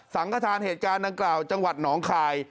กระทานเหตุการณ์ดังกล่าวจังหวัดหนองคาย